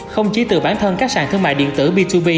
không chỉ từ bản thân các sàn thương mại điện tử b hai b